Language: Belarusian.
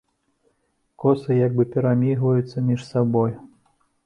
Косы як бы перамігваюцца між сабою.